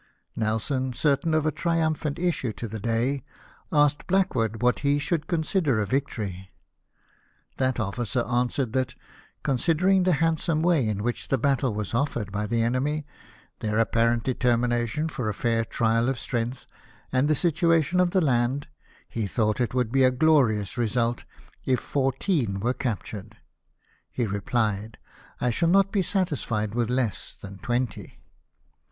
Nelson, certain of a triumphant issue to the day, asked Blackwood what he should consider a victory. That officer answered, that, considering the handsome way in which battle was offered by the enemy, their apparent determination for a fair trial of strength, and the situation of the land, he thought it would be a glorious result if fourteen were captured. He replied: "I shall not be satisfied with less than twenty."